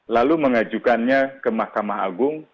lalu mengajukannya ke mahkamah agung